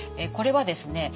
これはですね